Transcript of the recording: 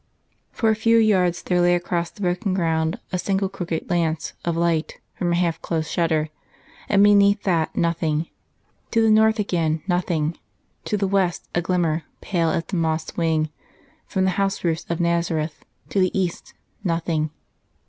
For a few yards there lay across the broken ground a single crooked lance of light from a half closed shutter; and beneath that, nothing. To the north again, nothing; to the west a glimmer, pale as a moth's wing, from the house roofs of Nazareth; to the east, nothing.